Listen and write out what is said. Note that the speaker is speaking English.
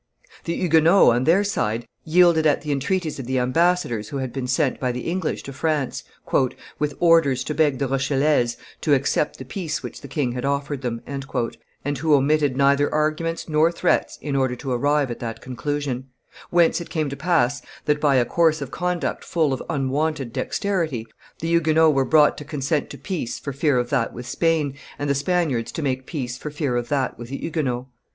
The Huguenots, on their side, yielded at the entreaties of the ambassadors who had been sent by the English to France, "with orders to beg the Rochellese to accept the peace which the king had offered them, and who omitted neither arguments nor threats in order to arrive at that conclusion; whence it came to pass that, by a course of conduct full of unwonted dexterity, the Huguenots were brought to consent to peace for fear of that with Spain, and the Spaniards to make peace for fear of that with the Huguenots.